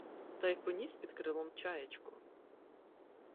Та й поніс під крилом чаєчку.